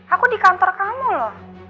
aku di kantor kamu loh